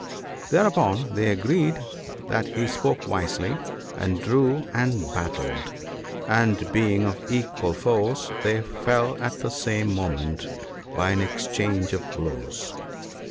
"Thereupon they agreed that he spoke wisely, and drew and battled ; and being of equal force, they fell at the same moment by an exchange of blows.